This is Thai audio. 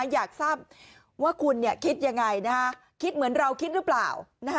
อยากทราบว่าคุณคิดยังไงคิดเหมือนเราคิดหรือเปล่า